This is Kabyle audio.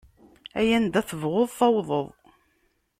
Ay anda tebɣuḍ tawḍeḍ.